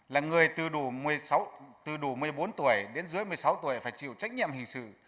là người từ đủ một mươi bốn tuổi đến dưới một mươi sáu tuổi phải chịu trách nhiệm hình sự